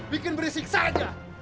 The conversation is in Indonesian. bikin berisik saja